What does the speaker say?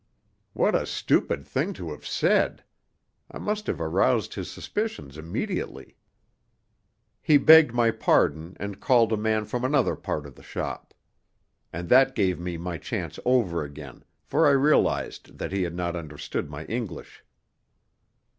What a stupid thing to have said! I must have aroused his suspicions immediately. He begged my pardon and called a man from another part of the shop. And that gave me my chance over again, for I realized that he had not understood my English.